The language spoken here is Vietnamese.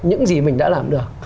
những gì mình đã làm được